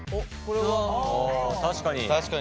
あ確かに。